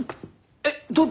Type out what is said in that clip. えっどう？